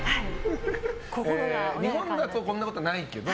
日本だとこんなことないけど。